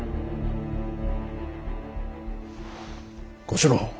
小四郎。